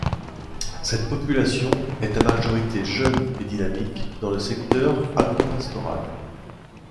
Cette population est à majorité jeune et dynamique dans le secteur agropastoral.